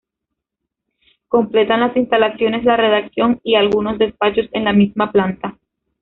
Completan las instalaciones la redacción y algunos despachos en la misma planta.